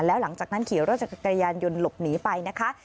แล้วหลังจากนั้นขี่รถจักรยานยนต์หลบหนีไปนะคะ